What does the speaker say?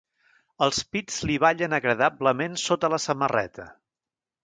Els pits li ballen agradablement sota la samarreta.